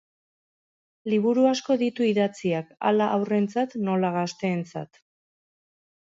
Liburu asko ditu idatziak hala haurrentzat nola gazteentzat.